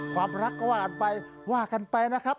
ความรักก็ว่ากันไปว่ากันไปนะครับ